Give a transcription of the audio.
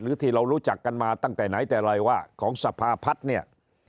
ที่เรารู้จักกันมาตั้งแต่ไหนแต่ไรว่าของสภาพัฒน์เนี่ย